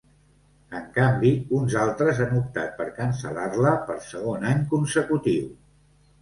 En canvi, uns altres han optat per cancel·lar-la per segon any consecutiu.